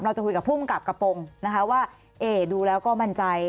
เราจะคุยกับผู้มกับกระโปรงนะคะว่าเอ่ดูแล้วก็มั่นใจ